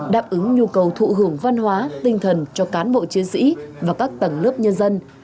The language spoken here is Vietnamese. đáp ứng nhu cầu thụ hưởng văn hóa tinh thần cho cán bộ chiến sĩ và các tầng lớp nhân dân